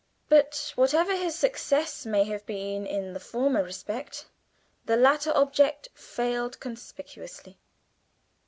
But whatever his success may have been in the former respect, the latter object failed conspicuously.